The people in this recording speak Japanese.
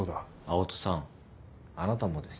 あなたは。